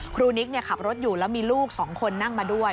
นิกขับรถอยู่แล้วมีลูก๒คนนั่งมาด้วย